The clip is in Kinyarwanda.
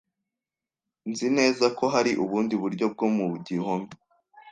Nzi neza ko hari ubundi buryo bwo mu gihome.